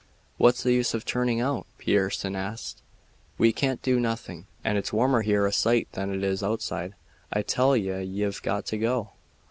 "What's the use of turning out?" Pearson asked. "We can't do nothing, and it's warmer here a sight than it is outside." "I tell ye ye've got to go.